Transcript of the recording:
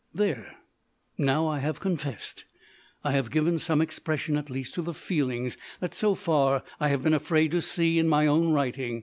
There! Now I have confessed. I have given some expression at least to the feelings that so far I have been afraid to see in my own writing.